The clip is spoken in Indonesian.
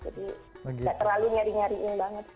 jadi enggak terlalu nyari nyariin banget sih